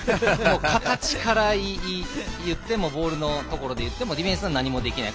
形からいってもボールのところでいってもディフェンスは何もできません。